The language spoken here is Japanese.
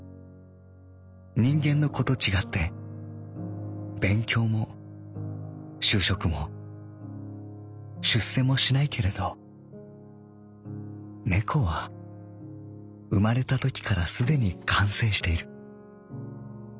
人間の子とちがって勉強も就職も出世もしないけれど猫は生まれたときからすでに完成している。